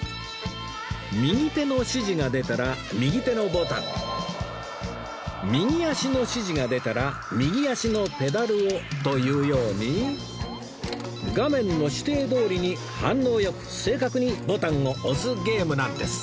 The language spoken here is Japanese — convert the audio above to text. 右手の指示が出たら右手のボタン右足の指示が出たら右足のペダルをというように画面の指定どおりに反応よく正確にボタンを押すゲームなんです